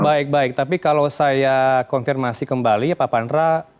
baik baik tapi kalau saya konfirmasi kembali ya pak pandra